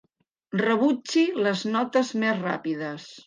Rebutgi les notes més ràpides.